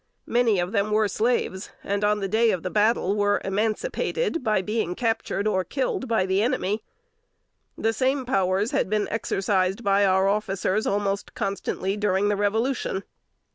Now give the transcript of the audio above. Many of them were slaves, and on the day of battle were emancipated by being captured or killed by the enemy. The same powers had been exercised by our officers almost constantly during the Revolution.